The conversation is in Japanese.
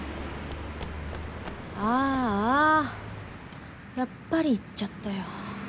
ああやっぱり行っちゃったよ。